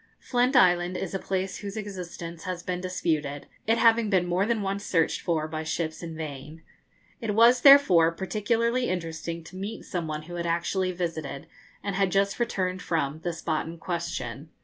Flint Island is a place whose existence has been disputed, it having been more than once searched for by ships in vain. It was, therefore, particularly interesting to meet some one who had actually visited, and had just returned from, the spot in question.